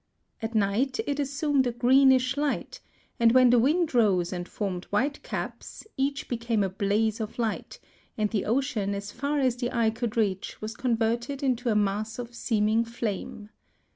At night it assumed a greenish light, and when the wind rose and formed whitecaps, each became a blaze of light, and the ocean as far as the eye could reach was converted into a mass of seeming flame.